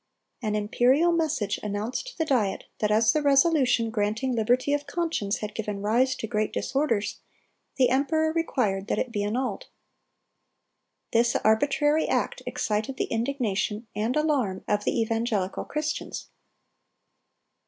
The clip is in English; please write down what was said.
An imperial message announced to the Diet that as the resolution granting liberty of conscience had given rise to great disorders, the emperor required that it be annulled. This arbitrary act excited the indignation and alarm of the evangelical Christians.